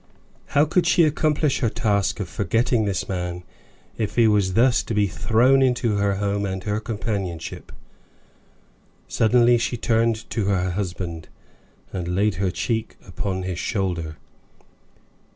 How could she accomplish her task of forgetting this man, if he was thus to be thrown into her home and her companionship? Suddenly she turned to her husband, and laid her cheek upon his shoulder.